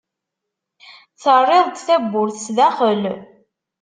Terriḍ-d tawwurt sdaxel.